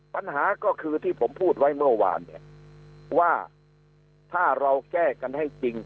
ปัญหาก็คือที่ผมพูดไว้เมื่อวานเนี่ยว่าถ้าเราแก้กันให้จริง